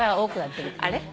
あれ？